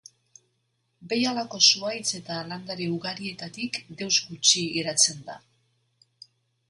Behialako zuhaitz eta landare ugarietatik deus gutxi geratzen da.